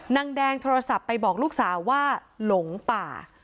นางแดงโทรศัพท์ไปบอกลูกสาวว่าหลงป่า